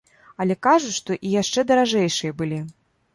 Але кажуць, што і яшчэ даражэйшыя былі.